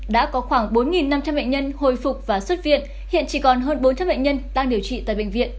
đã có khoảng bốn năm trăm linh bệnh nhân hồi phục và xuất viện hiện chỉ còn hơn bốn trăm linh bệnh nhân đang điều trị tại bệnh viện